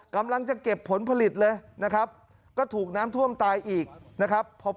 กำลังจะเก็บผลผลิตเลยนะครับก็ถูกน้ำท่วมตายอีกนะครับ